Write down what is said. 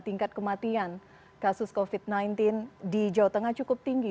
tingkat kematian kasus covid sembilan belas di jawa tengah cukup tinggi